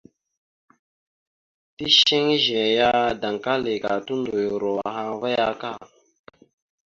Ticeŋ izəne ya daŋkali ka tondoyoro ahaŋ ava aka.